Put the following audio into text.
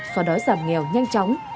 xóa đói giảm nghèo nhanh chóng